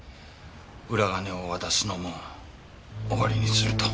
裏金を渡すのも終わりにすると。